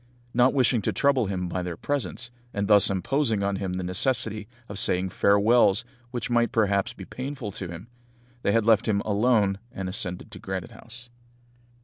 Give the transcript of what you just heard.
Not wishing to trouble him by their presence, and thus imposing on him the necessity of saying farewells which might perhaps be painful to him, they had left him alone, and ascended to Granite House.